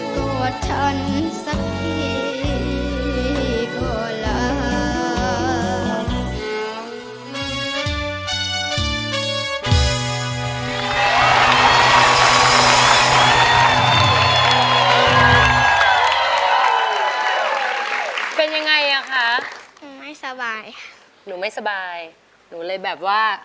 ก็ทันสักทีก็แล้ว